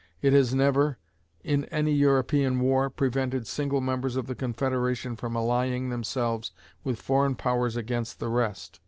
It has never, in any European war, prevented single members of the confederation from allying themselves with foreign powers against the rest.